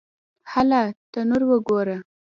_هله! تنور وګوره!